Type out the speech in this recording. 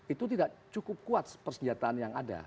itu tidak cukup kuat persenjataan yang ada